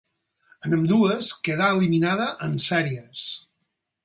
En ambdues quedà eliminada en sèries.